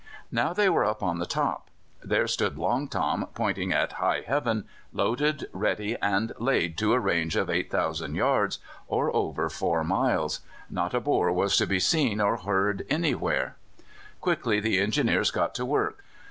Now they were up on the top. There stood Long Tom pointing at high heaven, loaded ready, and laid to a range of 8,000 yards, or over four miles. Not a Boer was to be seen or heard anywhere. Quickly the Engineers got to work.